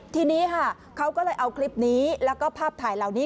ทีนี้ค่ะเขาก็เลยเอาคลิปนี้แล้วก็ภาพถ่ายเหล่านี้